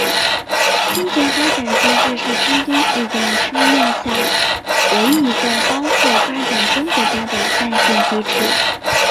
清洁发展机制是京都议定书下面唯一一个包括发展中国家的弹性机制。